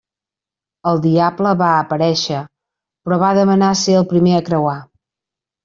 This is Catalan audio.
El Diable va aparèixer, però va demanar ser el primer a creuar.